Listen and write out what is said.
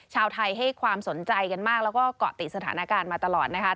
ชาวไทยให้ความสนใจกันมากแล้วก็เกาะติดสถานการณ์มาตลอดนะคะ